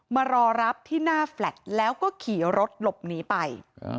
มารอรับที่หน้าแฟลต์แล้วก็ขี่รถหลบหนีไป